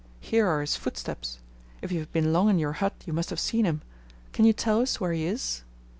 Here are his footsteps. If you have been long in your hut you must have seen him, Can you tell us where he is?'